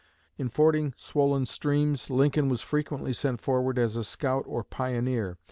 In fording swollen streams, Lincoln was frequently sent forward as a scout or pioneer.